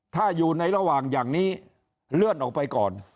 ถ้าอยู่ในระหว่างอย่างนี้เลื่อนออกไปก่อน